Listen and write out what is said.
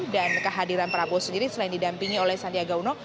dan kehadiran prabowo sendiri selain didampingi oleh sandiaga uno